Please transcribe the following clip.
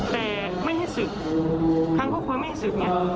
แต่ไม่ให้ศึกแบบนี้ทางพ่อพ่อไม่ให้ศึก